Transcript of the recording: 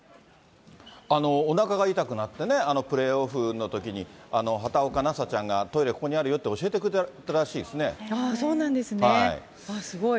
おなかが痛くなってね、プレーオフのときに畑岡奈紗ちゃんがトイレ、ここにあるよって教そうなんですね。